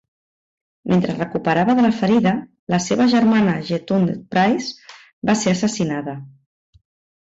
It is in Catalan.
Mentre es recuperava de la ferida, la seva germana Yetunde Price va ser assassinada.